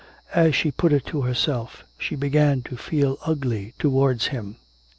As she put it to herself, she began to feel ugly towards him.